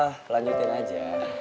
gak apa apa lanjutin aja